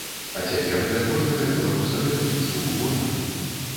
А цяпер для кожнага беларуса гэта, лічу, гонар!